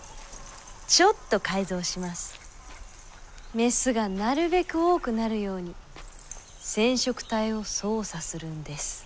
メスがなるべく多くなるように染色体を操作するんです。